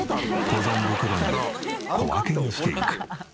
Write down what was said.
保存袋に小分けにしていく。